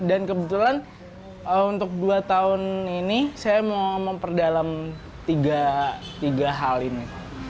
dan kebetulan untuk dua tahun ini saya mau memperdalam tiga hal ini